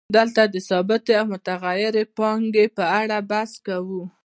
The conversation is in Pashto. دلته د ثابتې او متغیرې پانګې په اړه بحث کوو